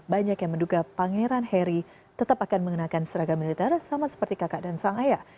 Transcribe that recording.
banyak yang menduga pangeran harry tetap akan mengenakan seragam militer sama seperti kakak dan sang ayah